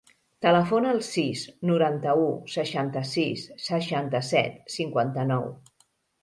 Telefona al sis, noranta-u, seixanta-sis, seixanta-set, cinquanta-nou.